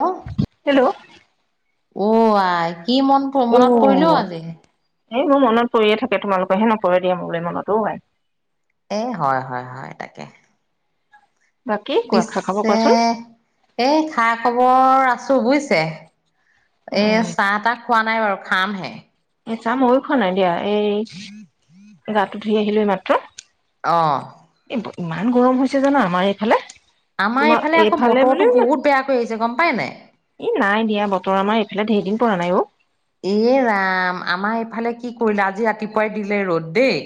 Hello hello! অ' আই। কি মন মনত পৰিল অ' আজি এই মোৰ মনত পৰিয়ে থাকে, তোমালোকেহে নপৰে দিয়া, মোৰো মনত অ' আই। এ, হয়, হয়, হয় তাকে। বাকী কোৱা খা খবৰ পিছে, কোৱাচোন এই খা-খবৰ আছো বুজিছে। উম এ, উম চাহ-তাহ খোৱা নাই বাৰু, খামহে। এ, চাহ ময়ো খোৱা নাই দিয়া, এই গাটো ধুই আহিলো এইমাত্ৰ। অ'। এ ইমান গৰম হৈছে জানা, আমাৰ এইফালে। আমাৰ এইফালে আকৌ বতৰটো বহুত বেয়া কৰি আহিছে, গম পাই নাই। এ, নাই দিয়া বতৰ আমাৰ এইফালে ঢেৰ দিন পৰা নাই অ'। এ, ৰাম আমাৰ এইফালে কি কৰিলে, আজি ৰাতিপুৱাই দিলে ৰ'দ দেই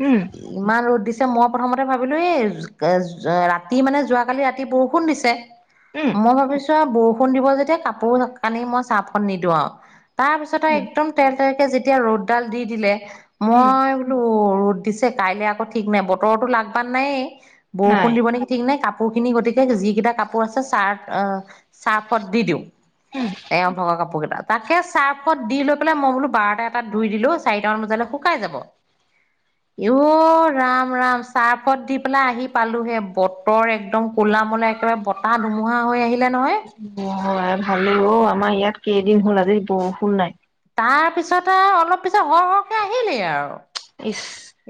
উম। ইমান ৰ'দ দিছে মই প্ৰথমতে ভাবিলো, এই জ, যে ৰাতি মানে যোৱাকালি ৰাতি বৰষুণ দিছে। উম। মই ভাবিছোঁ আৰু বৰষুণ দিব যেতিয়া কাপোৰ কানি মই চাৰ্ফত নিদিওঁ আৰু। তাৰ পিছত উম একদম তেৰ তেৰকে যেতিয়া ৰ'দডাল দি দিলে, উম মই ওঅ ৰ'দ দিছে কাইলে আকৌ ঠিক নাই বতৰটো লাগবান নাইয়ে, নাই বৰষুণ দিব নেকি ঠিক নাই কাপোৰ খিনি গতিকে যিকেইটা কাপোৰ আছে, চাৰ্ট অ চাৰ্ফত দি দিওঁ। এওঁ‌ ভাগৰ কাপোৰ কেইটা, তাকে চাৰ্ফত দি লৈ পেলাই মই বোলো বাৰটা এটাত ধুই দিলো, চাৰিটামান বজালে শুকাই যাব। ই অ', ৰাম, ৰাম চাৰ্ফত দি পেলাই আহি পালোহে বতৰ একদম কলা মলা একেবাৰে ব তা ধুমুহা হৈ আহিলে নহয়। অ' আই ভালেই অ', আমাৰ ইয়াত কেইদিন হ'ল আজি বৰষুণ নাই। তাৰ পিছত আৰু অলপ পিছত হৰ-হৰকে আহিলেই আৰু। ইচ।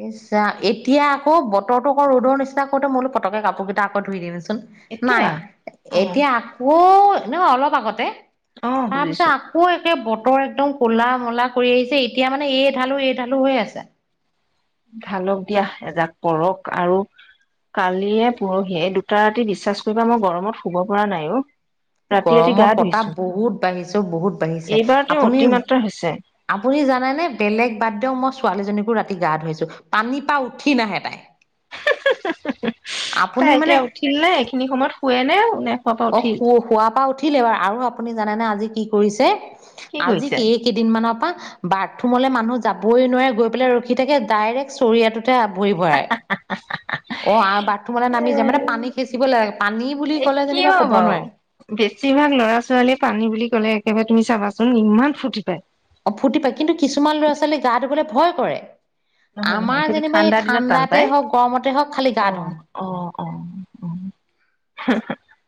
ইচ ৰা এতিয়া আকৌ বতৰতো আকৌ ৰ'দৰ নিচিনা কওঁতে মই বোলো পতকে কাপোৰ কেইটা আকৌ ধুই দিম চোন। এতিয়া নাই, অ এতিয়া আকৌ নহয় অলপ আগতে, অ তাৰ পিছত বুজিছো আক আকৌ একে বতৰ একদম ক'লা-মলা কৰি আহিছে, এতিয়া মানে এই ঢালো এই ঢালো হৈ আছে। ঢালক দিয়া এজাক পৰক আৰু। কালিয়ে, পৰহিয়ে এই দুটা ৰাতি বিশ্বাস কৰিবা, মই গৰমত শুব পৰা নাই অ'। ৰাতি ৰাতি গৰমৰ গা প্ৰতাপ ধুইছো বহুত বাঢ়িছে অ বহুত বাঢ়িছে এইবাৰ তেওঁৰ আপুনি অতিমাত্ৰা হৈছে। আপুনি জানে নে, বেলেগ বাদ দিয়ক মই ছোৱালী জনীকো ৰাতি গা ধুৱাইছো পানী পা উঠি নাহে তাই। [inaudible] [unintelligible] আপুনি তাই এতিয়া মানে উঠিল নে, এইখিনি সময়ত শুৱে নে, নে শুৱাৰ পৰা অ' উঠিল শু শুৱাৰ পা উঠিলে আৰু আপুনি জানেনে, আজি কি কৰিছে, কি আজি কৰিছে? সে কেইদিনমান পা, বাথৰুমলৈ মানুহ যাবই নোৱাৰে গৈ পেলাই ৰখি থাকে ডাইৰেক্ট চৰিয়াটো টোৱে আৱৰি বআই। অ' আ' বাথৰুমলৈ এ নামি যায় মানে পানী খেচিবলে লাগে, পানী বুলি এই ক'লে কিয় যেনিবা ক'ব বাৰু? নোৱাৰে। বেছিভাগ ল'ৰা ছোৱালীয়ে পানী বুলি ক'লে একেবাৰে তুমি চাবাচোন, ইমান ফূৰ্তি পায়। অ' ফূৰ্তি পায়, কিন্তু কিছুমান ল'ৰা ছোৱালীয়ে গা ধুবলে ভয় কৰে। নহয় নহয় আমাৰ সেইটো যেনিবা এই ঠাণ্ডা দিনত টান ঠাণ্ডাতে পায় হওঁক, গৰমতে হওঁক খালি অ গা ধুওঁ। অ' অ' অ' [unintelligible]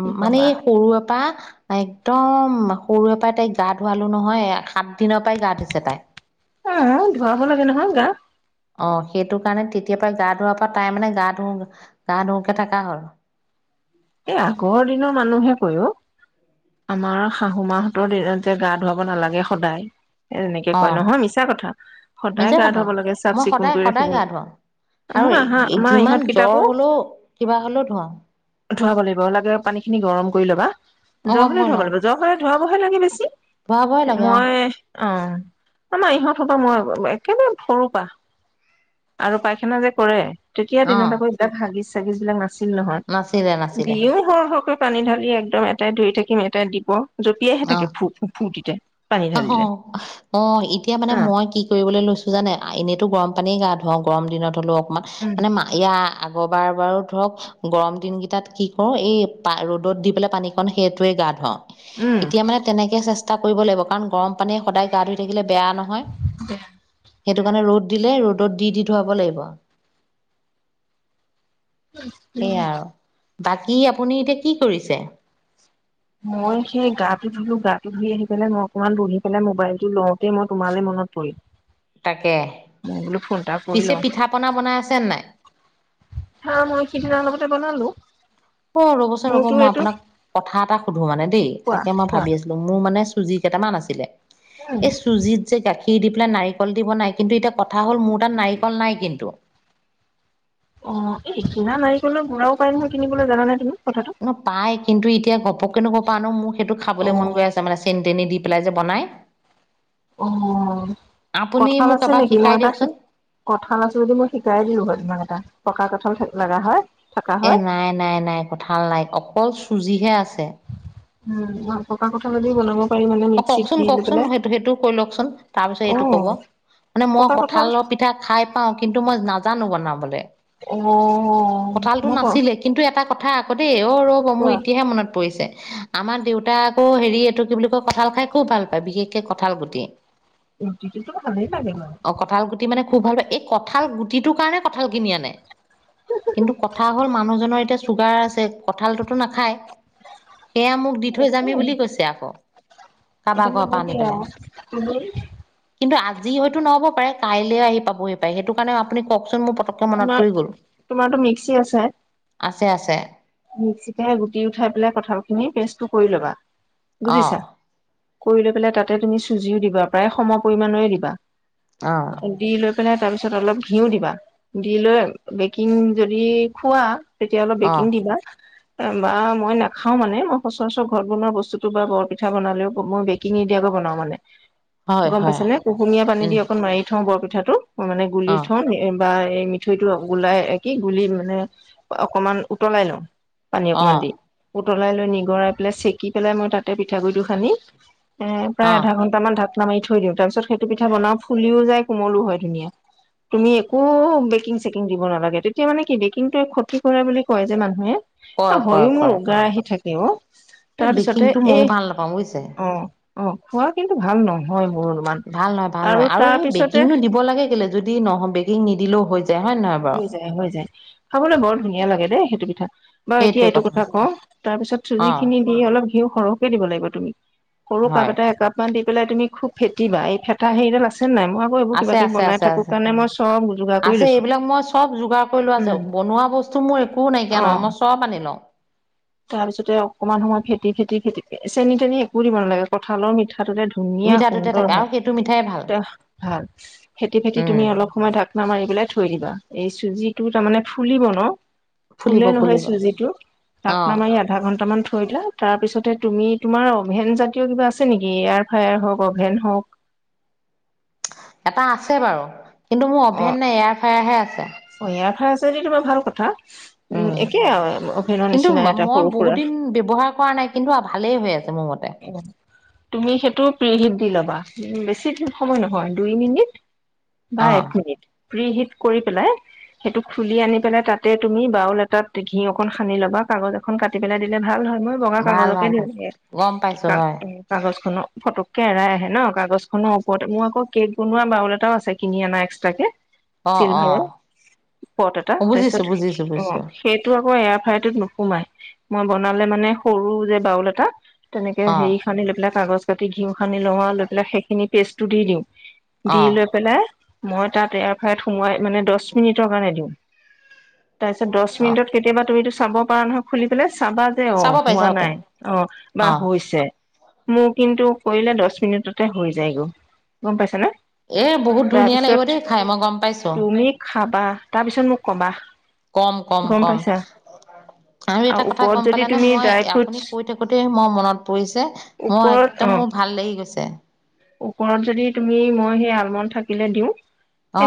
উম' কি মানে কবা এই সৰুৰ পা তাই একদম সৰুৰে পৰাই তাইক গা ধোৱালো নহয়, এয়া সাত দিনৰ পৰাই গা ধুইছে তাই। অ' ধুৱাব লাগে নহয় গা। অ' সেইটো কাৰণে, তেতিয়াৰ পাই গা ধোৱাৰ পা তাই মানে গা ধুওঁ, গা ধুওঁকে থাকা হ'ল। এ আগৰ দিনৰ মানুহে কয় অ। আমাৰ শাহু মাহঁতৰ দিনত যে গা ধুৱাব নালাগে সদায়। এ তেনেকে অ কয়, নহয় মিছা কথা, সদায় মিছা গা কথা ধুৱাব লাগে চাফ মই চিকুণ সদায় কৰি ৰাখিব সদায় গা ধুৱাও আমাৰ আৰু আহা এ আমাৰ ইহঁত যিমান কেইটাকো জ্বৰ হ'লেও কিবা হ'লেও ধুৱাওঁ। ধুৱাব লাগিব, লাগে পানী খিনি গৰম কৰি ল'বা। মই জ্বৰ গম হ'লেও কৰি ধুৱাব লওঁ লাগিব, জ্বৰ হ'লে ধোৱাবহে লাগে বেছি, ধোৱা ভয় লাগে অ মই অ' আমাৰ ইহঁত হঁতক মই একেবাৰে সৰু পা। আৰু পাইখানা যে কৰে তেতিয়া অ দিনত আকৌ এইবিলাক হাগিজ চাগিজ বিলাক নাছিল নহয়। নাছিলে নাছিলে। দিও সৰ সৰকৈ পানী ঢালি একদম এটাই ধুই থাকিম, এটাই দিব। জঁপিয়াইহে থাকে অ' ফু ফু ফুৰ্তিতে পানী হ' ঢালিলে হ' অ' এতিয়া মানে অ মই কি কৰিবলৈ লৈছো। জানে, এনেইতো গৰম পানীৰে গা ধুৱাওঁ গৰম দিনত হ'লেও অকণমান। উম। মানে ইয়াৰ আগৰবাৰ বাৰু ধৰক। গৰম দিন কেইটাত কি কৰো, এই পা, ৰ'দত দি পেলাই পানীকন সেইটোৱে গা ধুৱাওঁ। উম। এতিয়া মানে তেনেকে চেষ্টা কৰিব লাগিব, কাৰণ গৰম পানীৰে সদায় গা ধুই থাকিলে বেয়া নহয়। বেয়া। সেইটো কাৰণে, ৰ'দ দিলে, ৰ'দত দি, দি ধুৱাব লাগিব। সেয়াই আৰু, বাকী আপুনি এতিয়া কি কৰিছে? মই সেই গাটো ধুলো, গাটো ধুই আহি পেলাই মই অকনমান বহি পেলাই, মোবাইলটো লওঁতে মই তোমালৈ মনত পৰিল। তাকে, মই বোলো ফোন এটা কৰি পিছে লওঁ। পিঠা পনা বনাই আছেন নাই? হা, মই সিদিনা অলপতে বোনালো। অ', ৰ'বচোন ৰ'ব, মই আপোনাক কথা এটা সুধো মানে, দেই, কোৱা তাকে মই কোৱা ভাবি আছি লো, মোৰ মানে চুজি কেইটামান আছিলে, উম এই চুজিত যে গাখীৰ দি পেলাই নাৰিকল দি বনাই, কিন্তু এতিয়া কথা হ'ল মোৰ তাত নাৰিকল নাই কিন্তু। অ', এই কিনা নাৰিকলৰ ঘূৰাও পাই নহয়, কিনিবলৈ, জানানে তুমি কথাতো? নহয়, পাই, কিন্তু এতিয়া ঘপককেনো ক'ৰ পৰা আনো, মোৰ সেইটো অ খাবলৈ মন গৈ আছে। তাৰমানে চেনি-তেনি দি পেলাই যে বনায়। অ', আপুনি কঁঠাল মোক আছে এবাৰ নেকি, মই শিকাই এটা দিয়কচোন কঁঠাল আছে যদি, মই শিকাই দিলো হয়, তোমাক এটা, পকা কঁঠাল লগা হয়। থকা এ হয় নাই, নাই, নাই, কঁঠাল নাই, অকল চুজিহে আছে। উম, পকা কঁঠালে দি বনাব পাৰি মানে অ', মিক্সিত কওকচোন, দি লৈ কওকচোন, পেলাই সেইটো, সেইটোও কৈ লওকচোন, তাৰপিছত অ এইটো কব। মানে মই পকা কঁঠাল কঠালৰ পিঠা খাই পাও, কিন্তু মই নাজানো বনাবলে। [unintelligible] কঁঠালটো পাওঁ নাছিলে, কিন্তু এটা কথা আকৌ দেই, অ', ৰব মোৰ কোৱা এতিয়াহে মনত পৰিছে। আমাৰ দেউতাই আকৌ হেৰি এইটো কি বুলি কয়, কঁঠাল খাই খুব ভাল পায়, বিশেষকে কঁঠাল গুটি। গোটিটোতো ভালেই লাগে বাৰু। অ', কঁঠাল গুটি মানে খুব ভাল পায়, এই কঁঠাল গুটিটোৰ কাৰণে কঠাল কিনি আনে। কিন্তু কথা হ'ল মানুহজনৰ এতিয়া চুগাৰ আছে, কঁঠালটোতো নাখায়। সেয়া মোক দি থৈ যাম একো হী বুলি কৈছে আকৌ। কাৰোবাৰ ঘৰৰ পৰা আনি পেলাই [unintelligible] কিন্তু আজি হয়তো নহ'ব পাৰে, কাইলে আহি পাবহি পাৰে, সেইটো কাৰণে আপুনি কওকচোন মোৰ মনত তোমাৰ, পৰি গ'ল তোমাৰতো মিক্সি আছে। আছে, আছে। মিক্সিতে গুটি উঠাই পেলাই কঁঠাল খিনি পেষ্টটো কৰি ল'বা, অ বুজিছা। কৰি লৈ পেলাই, তাতে তুমি চুৰজিও দিবা, প্ৰাই সম পৰিমাণৰে দিবা। অ'। দি লৈ পেলাই তাৰ পিছত অলপ ঘিঁউ দিবা, দি লৈ বেকিং যদি খোৱা তেতিয়া অলপ অ বেকিং দিবা। [inaudible] বা মই নাখাওঁ মানে, মই সচৰাচৰ ঘৰত বনোৱা বস্তুটো বা বৰ পিঠা বনালেও মই বেকিং নিদিয়াকৈ বনাও মানে। [inaudible] গম পাইছ হয় নে, কুহুমীয়া পানী দি উম অকণ মাৰি থওঁ বৰপিঠাটো, মানে গুলি অ থওঁ। বা এই মিঠৈটো গলাই কি গুলি মানে অকমান উতলাই লওঁ। পানী অকমান অ', দি, উতলাই লৈ নিগৰাই পেলাই চেকি পেলাই, মই তাতে পিঠাগু়িটো সানী এ প্ৰায় অ', আধা ঘন্টামান ঢাকনা মাৰি থৈ দিওঁ, তাৰ পিছত সেইটো পিঠা বনাও, ফুলিও যায়, কোমলো হয় ধুনীয়া। তুমি একো বেকিং-চেকিং দিব নালাগে, তেতিয়া মানে কি বেকিংটো ক্ষতি কৰা বুলি কয় যে মানুহে। অ কয়, কয়, হয়ো' মোৰ কয়, উগাৰ কয়। আহি থাকে ও, এই তাৰপিছতে বেকিংটো ময়ো এই, ভাল নাপাওঁ বুজিছে। অ'। অ', খোৱা কিন্তু ভাল নহয় মোৰ। অনুমান ভাল নহয়, ভাল নহয়। আৰু তাৰ এই পিছতে বেকিংনো দিব লাগে কেলে? যদি নহ বেকিং নিদিলেও হৈ যায়। হয় নে নহয় হৈ বাৰু? হৈ যায়। খাবলৈ বৰ ধুনীয়া লাগে দেই সেটো পিঠা। বাৰু এতিয়া এইটো কথা কওঁ। তাৰপিছত অ', চুজিখিনি দি অলপ ঘিউ সৰহকে দিব লাগিব তুমি। সৰু কাপ হয় এটা একাপ মান দি পেলাই, তুমি খুব ফেটিবা। এই ফেটা হেৰিডাল আছে নে নাই? মই এইবোৰ কিবা আছে, কিবি আছে, বনাই আছে, থাকো আছে। কাৰণে মই চব যোগাৰ কৰি আছে, লৈছো এইবিলাক মই চব যোগাৰ কৰি লোৱা [unintelligible] বনোৱা বস্ স্তো মোৰ একো নাইকিয়া অ নহয়, মই চব আনি লওঁ। তাৰপিছতে অকমান সময় খেটি-খেটি খেটিকে, চেনি-তেনি একো দিব নালাগে। কঁঠালৰ মিঠাটোৰে দুনীয়া মিঠাটোতে সুন্দৰ থাকে আৰু হয়। সেইটো মিঠাই ভাল তে ভাল, ফেতি-ফেতি উম, তুমি অলপ সময় ঢাক না মাৰি পেলাই থৈ দিবা। এই চুজিটো তাৰমানে ফুলিব ন', ফুলিব, ফুলে নহয় ফুলিব চুজিটো। তাকনা অ'। মাৰি আ ধা ঘণ্টামান থৈ দিলা, তাৰপিছতে তুমি তোমাৰ অভেন জাতীয় কিবা আছে নেকি? এয়াৰ ফায়াৰ হওঁক অভেন হওঁক। এটা আছে বাৰু কিন্তু মোৰ অ অভেন নাই, এয়াৰ ফেয়াৰ হে আছে। অ', ইয়াৰ ফ্ৰায়াৰ আছে যদি তোমাৰ ভাল কথা। উম, একে আৰু অভেনৰ কিন্তু নিচিনা এটা মই বহুত সৰু-সুৰা। দিন ব্যৱহাৰ কৰা নাই কিন্তু আৰু ভালেই হৈ আছে মোৰ মতে। [unintelligible] তুমি সেইটো প্ৰি হিট দি ল'বা, বেছি সময় নহয় দুই মিনিট। বা অ এক মিনিট, প্ৰি হিট কৰি পেলাই সেইটো খুলি আনি পেলাই তাতে তুমি বাউল এটাত ঘি অকন সানি ল'বা, কাগজ এখন কাটি পেলাই দিলে ভাল হয়। মই বগা ভাল কাগজকে ভাল দিওঁ ভাল [unintelligible] গম পাইছো হয় কাগজ খনক, ফটককে এৰাই আহে ন', কাগজখনৰ ওপৰতে। মোৰ আকৌ কেক বনোৱা বাউল এটাও আছে কিনি আনা এক্স তাকে, অ অ চিলভাৰৰ পট এটা। বুজিছো বুজিছো তাৰপিছত অ'। বুজিছো সেইটো আকৌ এয়াৰ ফ্ৰাইটোত নোসোমাই। মই বনালে মানে সৰু যে বাউল এটা তেনেকে অ হেৰি খানি লৈ পেলাই কাগজ কাতি ঘিউ খানি লওঁ আও, লৈ পেলাই সেইখিনি পেষ্টটো দি দিওঁ। অ দি লৈ পেলাই, মই তাত এয়াৰ ফ্ৰাইৰত সোমোৱাই মানে দচ মিনিটৰ কাৰণে দিওঁ। তাৰপিছত দচ অ মিনিটত কেতিয়াবা তুমিতো চাব পৰা নহয় খুলি পেলাই, চাবা। যে ও চাব পাৰি হোৱা চাব পাৰি নাই, অ', বা অ হ'ল। পিছে, মোৰ কিন্তু কৰিলে দচ মিনিটতে হৈ যায়গৈ। গম পাইছ নে? এ বহুত ধুনীয়া লাগিব দেই খাই মই গম পাইছোঁ। তুমি খাবা, তাৰপিছত মোক ক'বা। কম, কম, গম কম। পাইছা আৰু এটা কথা ওপৰত গম যদি পালা নে? তুমি মই ড্ৰাই ফ্ৰুটছ আপুনি কৈতে কোতে মই মনত পৰিছে, মই ওপৰত অ একদম মোৰ ভাল লাগি গৈছে। ওপৰত যদি তুমি মই সেই আলমণ্ড থাকিলে দিওঁ,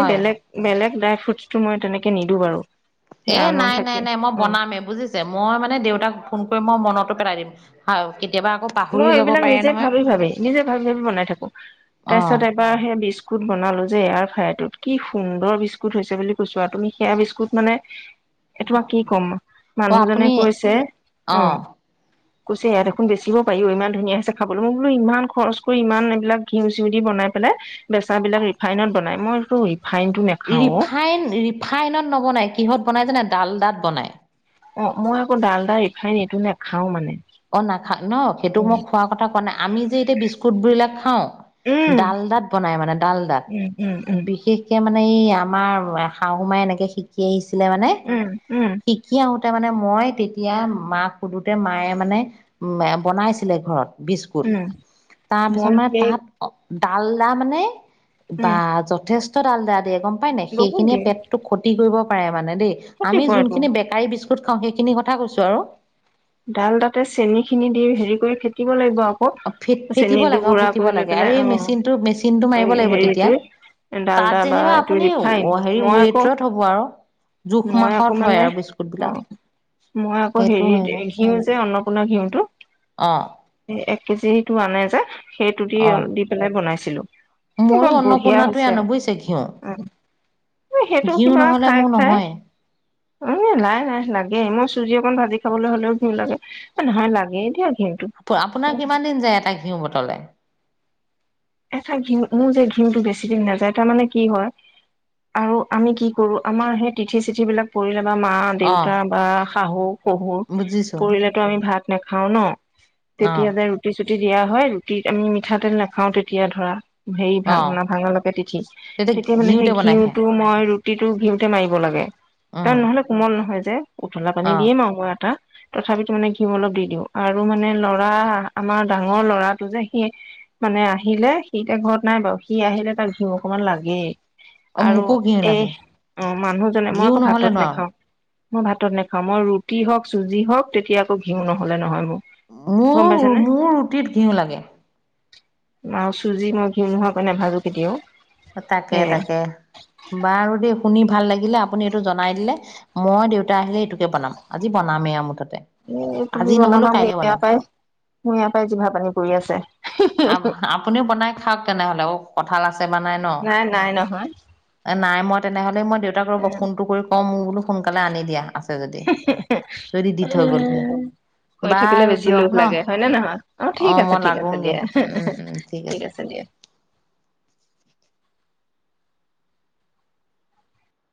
এই বেলেগ বেলেগ ড্ৰাই-ফ্ৰুটটো মই তেনেকে নিদো বাৰু। সেই এ আলমণ্ড নাই, নাই, থাকে নাই। মই অ বনামে বুজি যে মই মানে দেউতাক ফোন কৰি মই মনতো পেলাই দিম। হা কেতিয়াবা আকৌ পাহৰি মই যাব এইবিলাক পাৰে নিজে নহয় ভাবি ভাবি নিজে ভাবি ভাবি বনাই থাকোঁ। অ তাৰপিছত পাৰ সে বিস্কুট বনালোঁ যে এয়াৰ ফ্ৰায়াৰটোত, কি সুন্দৰ বিস্কুট হৈছে বুলি কৈছোঁ আৰু তুমি সেয়া বিস্কুট মানে [inaudible] এই তোমাক কি ক'ম? অ মানুহজনে আপুনি কৈছে- অ', কৈছে, এয়া দেখোন বেচিব পাৰি ইমান ধুনীয়া হৈছে খাবলৈ। মই বোলো ইমান খৰচ কৰি ইমান এইবিলাক ঘিউ চিউ দি বনাই পেলাই বেচা বিলাক ৰিফাইনত বনাই। মইটো ৰিফাইনটো নেপ ৰিফাইন ৰিফাইনত ন'বনাই, কিহত বনাই জানে? ডালদাত বনায়। অ', মই আকৌ ডালডা, ৰিফাইন এইটো নাখাওঁ মানে। অ নাখা ন সেইটো উম মই খোৱাৰ কথা কোৱা নাই আমি যে এতিয়া বিস্কুট বুলিলে খাওঁ ডালডাত বনাই মানে ডালডাত উম উম উম বিশেষ কে মানে এই আমাৰ শাহু মাই এনেকে শিকি আহিছিলে মানে। উম উম উম শিকি আহোতে মানে মই তেতিয়া মাক সুধোতে মায়ে। মানে বনাইছিলে ঘৰত বিস্কুট উম তাৰপিছত মই মানে সেই তাত ডালদা মানে বা উম যথেষ্ট ডালদা দিয়ে গম পায় নাই বহুত সেইখিনিয়ে দিয়ে পেট খতি কৰিব পাৰে মানে দেই ক্ষতি আমি কৰেতো যোনখিনি বেকাৰী বিস্কুট খাওঁ সেইখিনি কথা কৈছো আৰু ডালডাতে চেনি খিনি দি হেৰি কৰি ফেটিব লাগিব আক ফে ফেটিব চেনীটো লাগে অ গুড়া ফেটিব কৰি লৈ লাগে আৰু পেলাই এই অ মেচিনটো মেচিনটো মাৰিব লাগিব তেতিয়া হেৰিটো তাত ডালডা বা যেনিবা এইটো আপুনি ৰিফাইন হেৰি মই আকৌ ৱেটত হ'ব আৰু জোখ মই আকৌ মাখত হয় মানে আৰু বিস্কুট অ বিলাক মই আকৌ সেইটো হেৰিত হয় ঘিউ যে অন্নপূৰ্ণা ঘিউটো অঁ এক কেজিটো আনে যে সেইটো দি অ দি পেলাই বনাইছিলো। ময়ো বৰ বঢ়িয়া অন্নপূৰ্ণাটোৱে হৈছে আনো বুজিছে ঘিউ উম সেইটো ঘিউ কিবা নহ'লে খাই মোৰ খাই। নহয় অ নাই নাই লাগে মই চুজি অকণ ভাজি খাবলৈ হলেও ঘিউ লাগে এ নহয় লাগে দিয়া ঘিউ আপোনাৰ কিমান দিন যায় এটা ঘিউ বটলে। এটা ঘিউ মোৰ যে ঘিউটো বেছি দিন নাযায় তাৰ মানে কি হয়। আৰু আমি কি কৰো আমাৰ সেই তিথি চিঠি বিলাক পৰিলে বা মা অ দেউতা বা শাহু শহু বুজিছো পৰিলেতো আমি ভাত নাখাওঁ ন অ তেতিয়া যে ৰুটি চুটি দিয়া হয় ৰুটিত আমি মিঠাতেল নাখাওঁ তেতিয়া ধৰা হেৰি অ ভাং নাভাঙা লৈকে তিথি তেতিয়া মানে ঘিউতে সেই বনাই খায় ঘিউটো মই ৰুটিটো ঘিউতে মাৰিব লাগে। তাৰ উম নহ'লে কোমল নহয় যে উতলা অ পানী দিয়ে মাৰো মই আতা তথাপিতো মানে ঘিউ অলপ দি দিওঁ আৰু মানে ল'ৰা আমাৰ ডাঙৰ ল'ৰাটো যে সি মানে আহিলে সি এতিয়া ঘৰত নাই বাৰু সি আহিলে তাৰ ঘিউ অকমান লাগেই। অ আৰু মোকো ঘিউ এই লাগে অ মানুহজনে মই ঘিউ আকৌ নহ'লে ভাতত নোৱাৰো নাখাও। মই ভাতত নাখাও মই ৰুটি হওক চুজি হওক তেতিয়া আকৌ ঘিউ নহ'লে নহব। মোৰ মোৰ ৰুটিত ঘিউ লাগে। আৰু চুজি মই ঘিউ নোহোৱাকৈ নাভাজো কেতিয়াও। তাকে সেয়া তাকে বাৰু দেই শুনি ভাল লাগিলে আপুনি এইটো জনাই দিলে। মই দেউতা আহিলে এইটোকে বনাম আজি বনামেই আৰু মুঠতে। এ তুমি আজি নহ'লেও বনাবা মোৰ কাইলৈ এইয়া বনাম পাই মোৰ এইয়া পাই জিভা পানী পৰি আছে। আ আপুনিও বনাই খাওক তেনেহলে অ কঁঠাল আছে বা নাই। নাই নাই নহয়। এ নাই মই তেনেহলে মই দেউতাক ৰ'ব ফোনটো কৰি কম মোক বোলো সোনকালে আনি দিয়া আছে যদি। উম যদি দি থৈ গ'লহি। [unintelligible] কৈ থাকিলে বাৰু বেছি দিয়ক লোভ ন? লাগে হয় নে নহয় অ ঠিক আছে মই ঠিক আছে লাগোংগে। দিয়া। উম, উম, ঠিক আছে দিয়া।